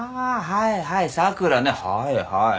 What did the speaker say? はいはい。